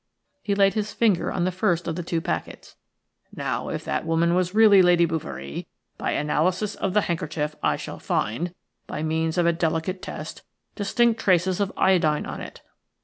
He laid his finger on the first of the two packets. "Now, if that woman was really Lady Bouverie, by analysis of the handkerchief I shall find, by means of a delicate test, distinct traces of iodine on it.